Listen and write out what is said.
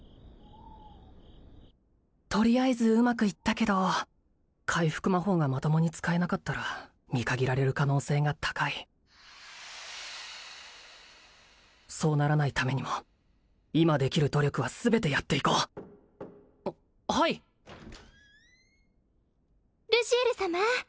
とりあえずうまくいったけど回復魔法がまともに使えなかったら見限られる可能性が高いそうならないためにも今できる努力は全てやっていこうはいルシエル様